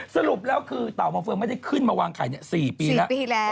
สรุปแล้วคือเต่ามาเฟืองไม่ได้ขึ้นมาวางไข่๔ปีแล้ว